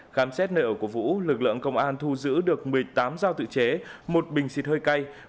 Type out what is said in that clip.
khám xét nợ của vũ lực lượng công an thu giữ được một mươi tám giao tự chế một bình xịt hơi cay